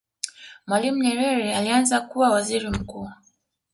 mwalimu nyerere alianza kuwa waziri mkuu